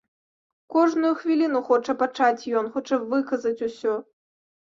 Кожную хвіліну хоча пачаць ён, хоча выказаць усё.